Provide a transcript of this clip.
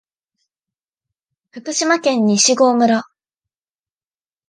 福島県西郷村